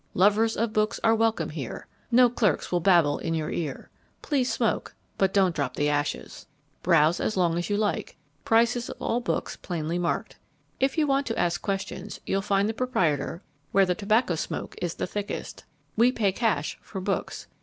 Lovers of books are welcome here, No clerks will babble in your ear, Please smoke but don't drop ashes! Browse as long as you like. Prices of all books plainly marked. If you want to ask questions, you'll find the proprietor where the tobacco smoke is thickest. We pay cash for books.